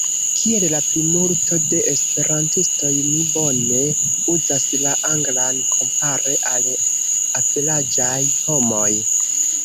Kiel la plimulto de Esperantistoj, mi bone uzas la Anglan kompare al averaĝaj homoj.